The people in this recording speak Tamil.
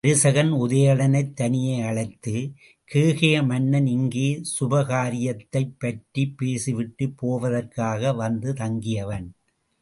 தருசகன், உதயணனைத் தனியே அழைத்து, கேகய மன்னன் இங்கே சுபகாரியத்தைப் பற்றிப் பேசி விட்டுப் போவதற்காக வந்து தங்கியவன்.